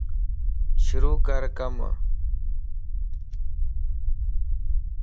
شروع ڪر ڪم